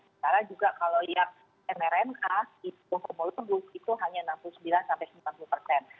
sekarang juga kalau yang mrna itu hanya enam puluh sembilan sampai lima puluh persen